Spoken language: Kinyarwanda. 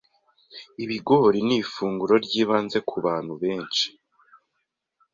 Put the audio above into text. Ibigori ni ifunguro ry’ibanze ku bantu benshi,